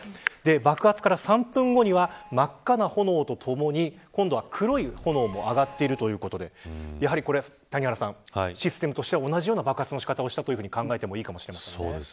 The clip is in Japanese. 爆発から３分後には真っ赤な炎とともに今度は黒い炎も上がっているということでやはりこれは谷原さんシステムとしては同じような爆発の仕方をしたと考えてもいいかもしれませんね。